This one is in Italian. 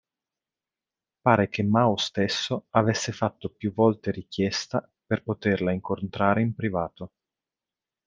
Pare che Mao stesso avesse fatto più volte richiesta per poterla incontrare in privato.